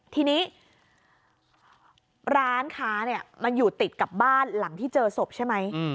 ทีนี้ร้านค้าเนี่ยมันอยู่ติดกับบ้านหลังที่เจอศพใช่ไหม